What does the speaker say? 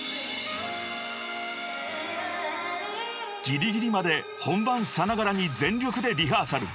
［ギリギリまで本番さながらに全力でリハーサル］